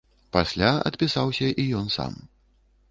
Пасля адпісаўся і ён сам.